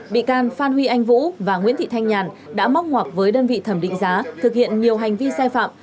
bị can phan huy anh vũ và nguyễn thị thanh nhàn đã móc ngoặc với đơn vị thẩm định giá thực hiện nhiều hành vi sai phạm